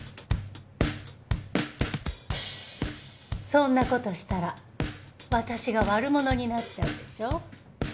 そんな事したら私が悪者になっちゃうでしょ。